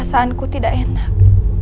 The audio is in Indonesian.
rasaanku tidak enak